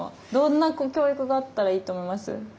どんな教育があったらいいと思います？